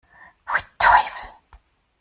Pfui, Teufel!